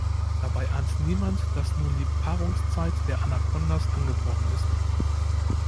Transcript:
Dabei ahnt niemand, dass nun die Paarungszeit der Anakondas angebrochen ist.